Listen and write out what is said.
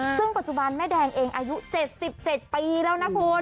ซึ่งปัจจุบันแม่แดงเองอายุ๗๗ปีแล้วนะคุณ